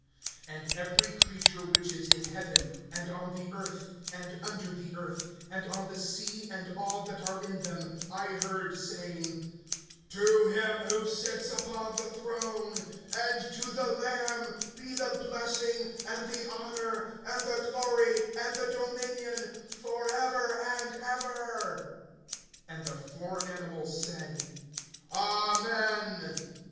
(13)And every creature which is in heaven, and on the earth, and under the earth, and on the sea, and all that are in them, I heard saying: To him who sits upon the throne, and to the Lamb, be the blessing, and the honor, and the glory, and the dominion, forever and ever. (14)And the four animals said: Amen.